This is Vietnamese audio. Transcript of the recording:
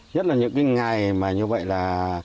nhất là những cái ngày mà như vậy là